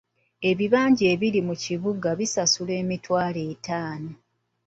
Ebibanja ebiri mu bibuga bisasula emitwalo etaano.